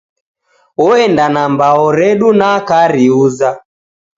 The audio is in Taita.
Oenda na mabao redu na kariuza